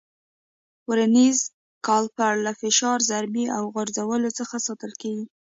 ورنیز کالیپر له فشار، ضربې او غورځولو څخه ساتل کېږي.